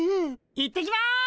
・行ってきます！